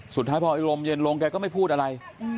สุดท้ายพอไอ้ลมเย็นลงแกก็ไม่พูดอะไร